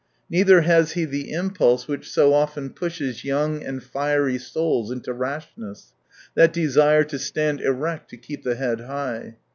Neither has he the impulse which so often pushes young and fiery souls into rashness : that desire to stand erect, to keep the head high.